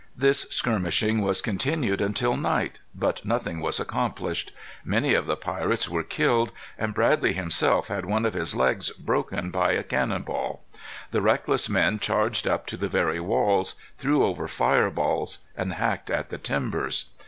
This skirmishing was continued until night, but nothing was accomplished. Many of the pirates were killed, and Bradley himself had one of his legs broken by a cannon ball. The reckless men charged up to the very walls, threw over fire balls, and hacked at the timbers.